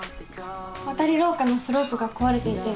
わたりろうかのスロープが壊れていて。